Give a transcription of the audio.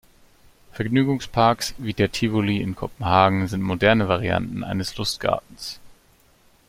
Vergnügungsparks, wie der Tivoli in Kopenhagen sind moderne Varianten eines Lustgartens.